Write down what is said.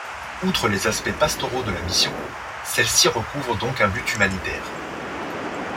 Outre les aspects pastoraux de la mission, celle-ci recouvre donc un but humanitaire.